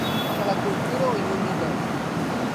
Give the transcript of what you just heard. Que la cultura ho inundi tot!